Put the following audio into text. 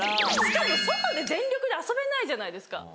しかも外で全力で遊べないじゃないですか。